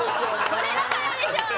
これだからでしょ！